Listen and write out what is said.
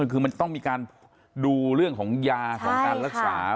คือมันต้องมีการดูเรื่องของยาของการรักษา